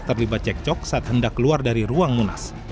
terlibat cek cok saat hendak keluar dari ruang munas